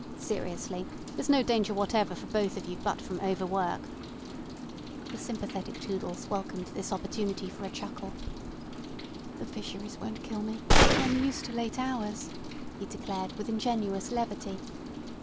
Seriously, there's no danger whatever for both of you but from overwork." The sympathetic Toodles welcomed this opening for a chuckle. "The Fisheries won't kill me. I am used to late hours," he declared, with ingenuous levity.